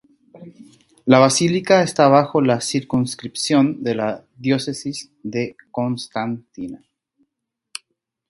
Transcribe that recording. La basílica está bajo la circunscripción de la Diócesis de Constantina.